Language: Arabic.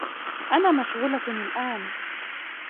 أنا مشغولة الأن.